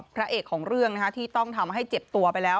พระเอกของเรื่องที่ต้องทำให้เจ็บตัวไปแล้ว